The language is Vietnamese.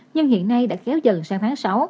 nhưng hiện nay đã kéo dần sang tháng sáu